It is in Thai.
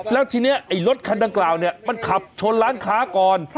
แล้วทีนี้ไอ้รถคันดังกล่าวเนี่ยมันขับชนร้านค้าก่อน